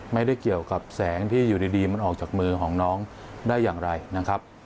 ไม่ได้เกี่ยวกับแสงที่อยู่ดีมันออกจากมือของน้องได้อย่างไรนะครับ